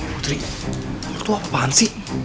putri lo tuh apaan sih